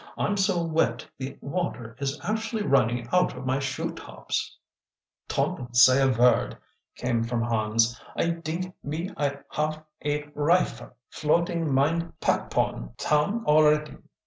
"I'm so wet the water is actually running out of my shoetops!" "Ton't said a vord," came from Hans. "I dink me I half a rifer floating mine packpone town alretty!